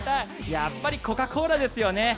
やっぱりコカ・コーラですよね。